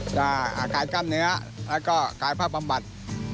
จะอาการกล้ามเนื้อแล้วก็อาการภาพปับบัติ